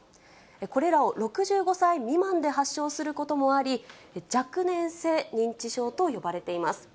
これらを６５歳未満で発症することもあり、若年性認知症と呼ばれています。